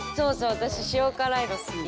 私塩辛いの好き。